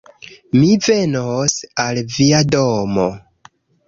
Mi venos al via domo